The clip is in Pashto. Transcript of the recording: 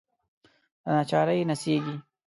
دناچارۍ نڅیږې